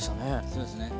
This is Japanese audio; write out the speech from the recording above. そうですね。